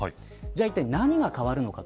じゃあいったい何が変わるのか。